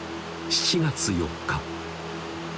７月４日